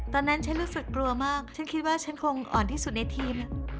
ตอนนั้นฉันรู้สึกกลัวมากฉันคิดว่าฉันคงอ่อนที่สุดในทีม